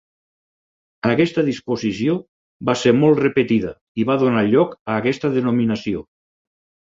Aquesta disposició va ser molt repetida i va donar lloc a aquesta denominació.